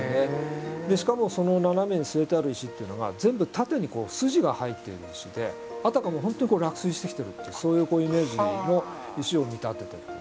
でしかもその斜めに据えてある石っていうのが全部縦にこう筋が入っている石であたかも本当に落水してきてるってそういうイメージの石を見たてているんです。